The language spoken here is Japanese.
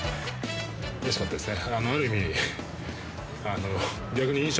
「うれしかったですね」